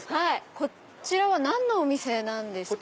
こちらは何のお店ですか？